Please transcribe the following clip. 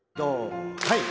はい。